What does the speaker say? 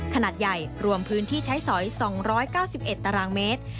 ขนาดใหญ่รวมพื้นที่ใช้สอย๒๙๑ตารางเมตร